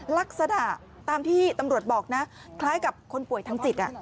ลักษณะตามที่ตำรวจบอกนะคล้ายกับคนป่วยทางจิต